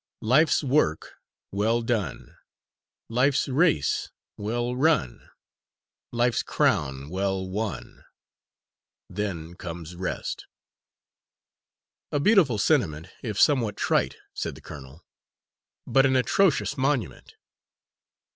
_ "'Life's work well done, Life's race well run, Life's crown well won, Then comes rest.'" "A beautiful sentiment, if somewhat trite," said the colonel, "but an atrocious monument."